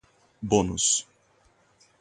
bônus